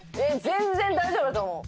全然大丈夫だと思う！